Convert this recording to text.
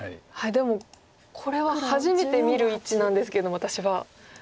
でもこれは初めて見る位置なんですけども私は。